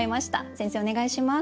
先生お願いします。